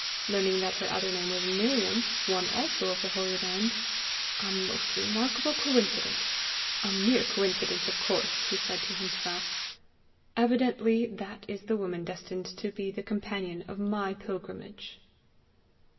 Learning that her other name was Miriam, one also of the holy land "A most remarkable coincidence! a mere coincidence of course!" he said to himself. "Evidently that is the woman destined to be the companion of my pilgrimage!"